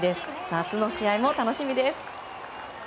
明日の試合も楽しみです。